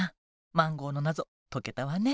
マンゴーの謎解けたわね。